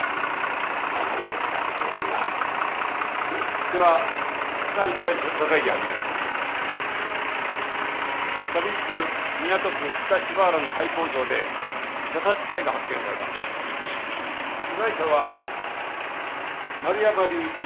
相当のやり手だって評判だでは第１回捜査会議始める昨日港区北芝原の廃工場で射殺死体が発見された被害者は丸山隆一